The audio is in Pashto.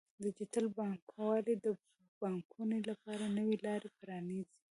ډیجیټل بانکوالي د پانګونې لپاره نوې لارې پرانیزي.